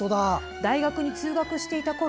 大学に通学していたころ